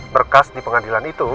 berkas di pengadilan itu